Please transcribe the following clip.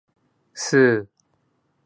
スー